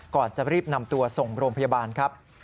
ก่อนจะรีบนำตัวส่งโรงพยาบาลครับ